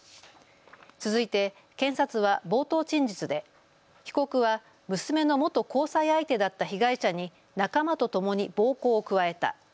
続いて検察は冒頭陳述で被告は娘の元交際相手だった被害者に仲間とともに暴行を加えた。